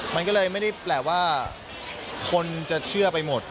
มันก็เลยไม่ได้แปลว่าคนจะเชื่อไปหมด